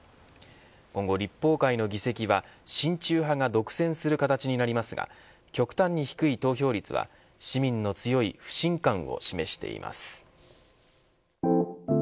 今後立法会の議席は親中派が独占する形になりますが極端に低い投票率は自民の強い不信感を示しています。